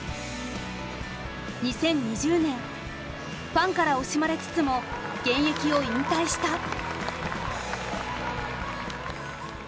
２０２０年ファンから惜しまれつつも現役を引退した。